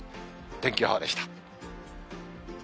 天気予報でした。